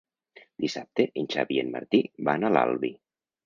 Dissabte en Xavi i en Martí van a l'Albi.